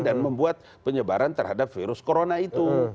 dan membuat penyebaran terhadap virus corona itu